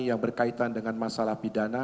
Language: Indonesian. yang berkaitan dengan masalah pidana